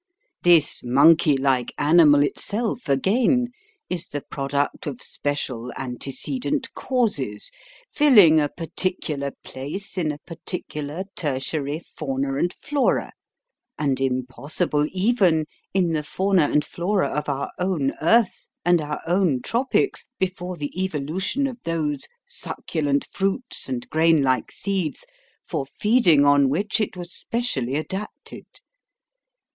This monkey like animal itself, again, is the product of special antecedent causes, filling a particular place in a particular tertiary fauna and flora, and impossible even in the fauna and flora of our own earth and our own tropics before the evolution of those succulent fruits and grain like seeds, for feeding on which it was specially adapted.